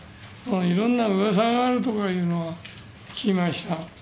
いろんな噂があるとかいうのは聞きました。